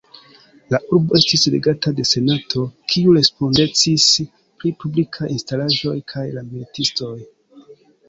La urbo estis regata de Senato, kiu respondecis pri publikaj instalaĵoj kaj la militistoj.